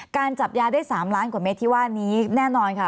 จับยาได้๓ล้านกว่าเมตรที่ว่านี้แน่นอนค่ะ